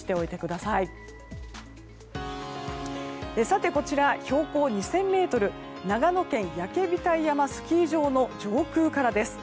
さて、こちら標高２０００ｍ長野県焼額山スキー場の上空からです。